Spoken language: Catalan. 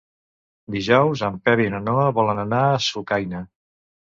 Dijous en Pep i na Noa volen anar a Sucaina.